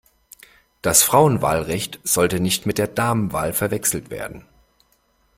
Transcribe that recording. Das Frauenwahlrecht sollte nicht mit der Damenwahl verwechselt werden.